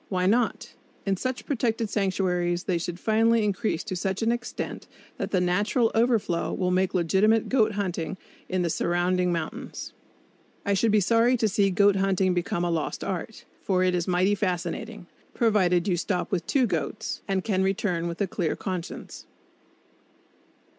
Why not? In such protected sanctuaries they should finally increase to such an extent that the natural overflow will make legitimate goat hunting in the surrounding mountains. I should be sorry to see goat hunting become a lost art; for it is mighty fascinating, provided you stop with two goats and can return with a clear conscience.